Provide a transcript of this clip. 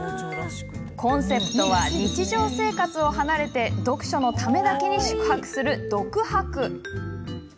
コンセプトは、日常生活を離れ、読書のためだけに宿泊する読泊。